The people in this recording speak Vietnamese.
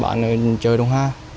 bán ở trời đông hoa